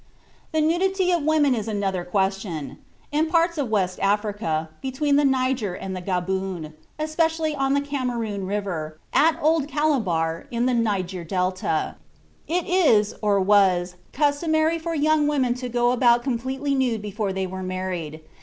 The nudity of women is another question. In parts of West Africa, between the Niger and the Gaboon (especially on the Cameroon River, at Old Calabar, and in the Niger Delta), it is, or was, customary for young women to go about completely nude before they were married.